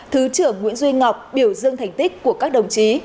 thứ trưởng nguyễn duy ngọc biểu dương thành tích của các đồng chí